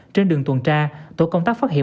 trên đường tùng tra tổ công tác phát hiện